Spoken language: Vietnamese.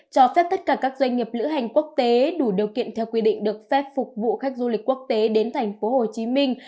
cho phép tất cả các doanh nghiệp lữ hành quốc tế đủ điều kiện theo quy định được phép phục vụ khách du lịch quốc tế đến thành phố hồ chí minh